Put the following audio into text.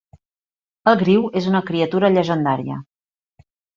El griu és una criatura llegendària.